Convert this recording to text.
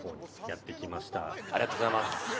ありがとうございます。